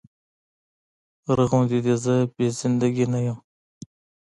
غره غوندې دې زه بې زنده ګي نه يم